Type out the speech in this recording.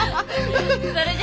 それじゃ。